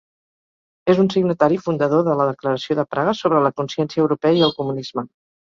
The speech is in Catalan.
És un signatari fundador de la Declaració de Praga sobre la Consciència Europea i el Comunisme.